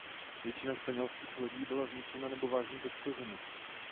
Většina španělských lodí byla zničena nebo vážně poškozena.